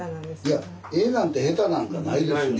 いや絵なんて下手なんかないですよね。